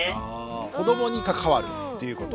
子どもに関わるっていうこと。